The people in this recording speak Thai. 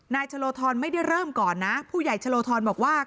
ชะโลธรไม่ได้เริ่มก่อนนะผู้ใหญ่ชะโลทรบอกว่า